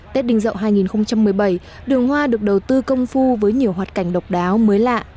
tết đinh dậu hai nghìn một mươi bảy đường hoa được đầu tư công phu với nhiều hoạt cảnh độc đáo mới lạ